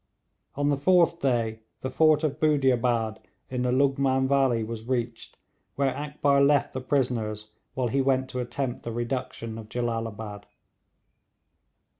On the fourth day the fort of Budiabad in the Lughman valley was reached, where Akbar left the prisoners while he went to attempt the reduction of Jellalabad.